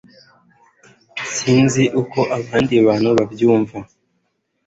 sinzi uko abandi bantu babyumva